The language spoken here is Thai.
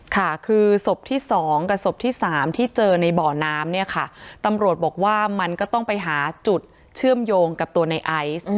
ค่ะคือศพที่๒กับศพที่๓ที่เจอในบ่อน้ำเนี่ยค่ะตำรวจบอกว่ามันก็ต้องไปหาจุดเชื่อมโยงกับตัวในไอซ์